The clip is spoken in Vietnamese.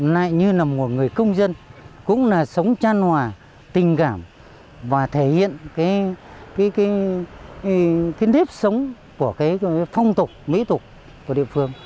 lại như là một người công dân cũng là sống tràn hòa tình cảm và thể hiện cái nếp sống của cái phong tục mỹ tục của địa phương